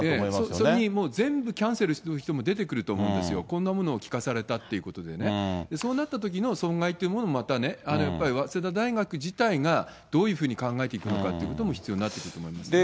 それに、もう全部キャンセルする人も出てくると思うんですよ、こんなものを聞かされたっていうことでね、そうなったときの損害というのも、やっぱり早稲田大学自体がどういうふうに考えていくのかということも、必要になってくると思いますね。